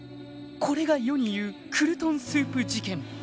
［これが世にいう「クルトンスープ事件」］